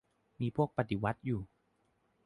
มีพวกปฏิวัติอยู่